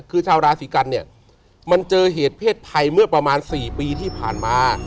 คือชาวราศีกันเนี่ยมันเจอเหตุเพศภัยเมื่อประมาณ๔ปีที่ผ่านมา